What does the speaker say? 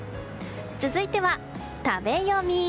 続いては食べヨミ。